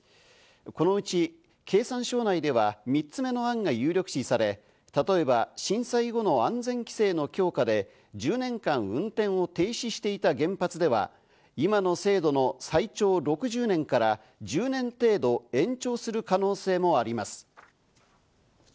このうち経産省内では３つ目の案が有力視され、例えば震災後の安全規制の強化で１０年間運転を停止していた原発では、今の制度の最長６０年から１０年程度、延長する可能性もあります。